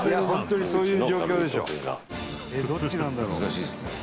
本当にそういう状況でしょう。